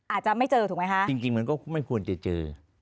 อาจจะไม่เจอถูกไหมคะจริงมันก็ไม่ควรจะเจอ